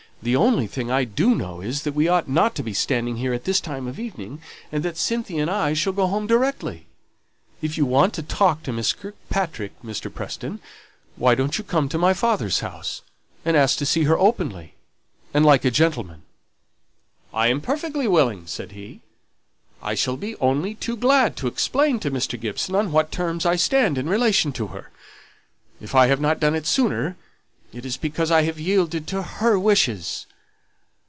"The only thing I do know is, that we ought not to be standing here at this time of evening, and that Cynthia and I shall go home directly. If you want to talk to Miss Kirkpatrick, Mr. Preston, why don't you come to my father's house, and ask to see her openly, and like a gentleman?" "I am perfectly willing," said he; "I shall only be too glad to explain to Mr. Gibson on what terms I stand in relation to her. If I have not done it sooner, it is because I have yielded to her wishes."